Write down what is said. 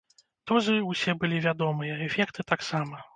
Дозы ўсе былі вядомыя, эфекты таксама.